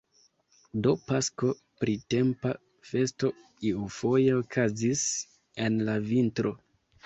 Do Pasko, printempa festo, iufoje okazis en la vintro!